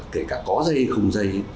kể cả có dây không dây